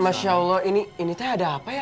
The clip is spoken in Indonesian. masya allah ini teh ada apa ya